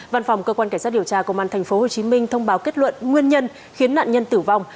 văn phòng cơ quan cảnh sát điều tra công an tp hcm thông báo kết luận nguyên nhân khiến nạn nhân tử vong